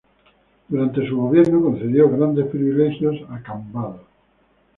Durante su gobierno concedió grandes privilegios a Cambados.